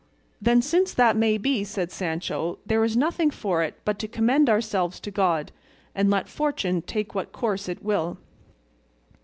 "Then since that may be," said Sancho, "there is nothing for it but to commend ourselves to God, and let fortune take what course it will."